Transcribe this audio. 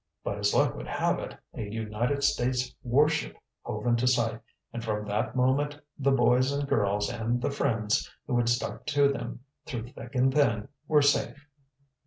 But as luck would have it, a United States warship hove into sight, and from that moment the boys and girls, and the friends, who had stuck to them through thick and thin, were safe.